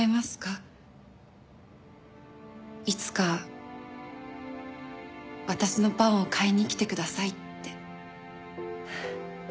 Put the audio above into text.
いつか私のパンを買いに来てくださいって。